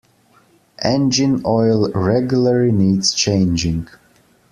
Engine oil regularly needs changing.